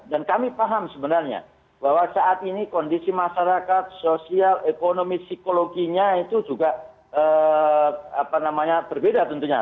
dan kami paham sebenarnya bahwa saat ini kondisi masyarakat sosial ekonomi psikologinya itu juga berbeda tentunya